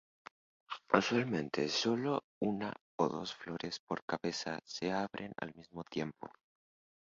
Usualmente sólo una o dos flores por cabeza se abren al mismo tiempo.